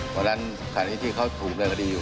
เพราะฉะนั้นที่เขาถูกเรียกดีอยู่